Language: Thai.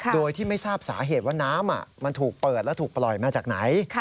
โดยที่ไม่ทราบสาเหตุว่าน้ำมันถูกเปิดและถูกปล่อยมาจากไหน